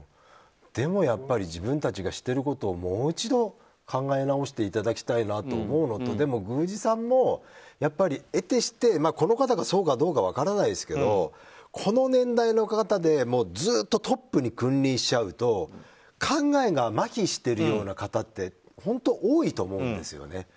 でもやっぱり自分たちがしてることをもう一度考え直していただきたいと思うのとでも、宮司さんも得てして、この方がそうかどうか分からないですけどこの年代の方でずっとトップに君臨しちゃうと考えがまひしているような方って本当に多いと思うんですよね。